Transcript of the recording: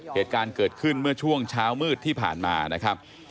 เหตุการณ์เกิดขึ้นเมื่อช่วงเช้ามืดที่ผ่านมานะครับ